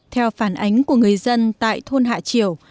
theo phản ánh của người dân tại thôn hạ chiều